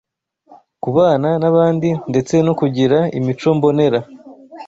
kubana n’abandi ndetse no kugira imico mbonera,